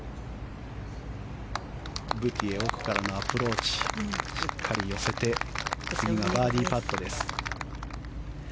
ブティエ奥からのアプローチしっかり寄せて次がバーディーパットです。